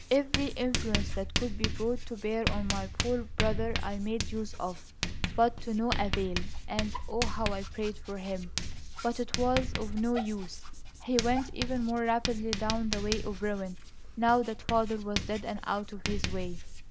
"Every influence that could be brought to bear on my poor brother I made use of, but to no avail; and, O, how I prayed for him! But it was of no use! He went even more rapidly down the way of ruin, now that father was dead and out of his way.